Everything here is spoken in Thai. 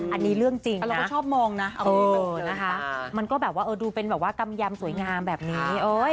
อันนี้เรื่องจริงนะเออมันก็แบบว่าเออดูเป็นแบบว่ากำยำสวยงามแบบนี้เอ้ย